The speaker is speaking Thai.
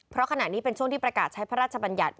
เพราะขณะนี้เป็นช่วงที่ประกาศใช้พระราชบัญญัติ